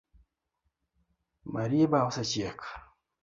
Marieba osechiek?